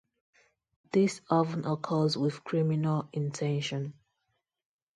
This often occurs with criminal intention.